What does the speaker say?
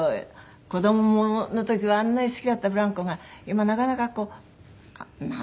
子供の時はあんなに好きだったブランコが今なかなかなんでしょうね。